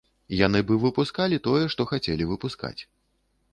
Яны б і выпускалі тое, што хацелі выпускаць.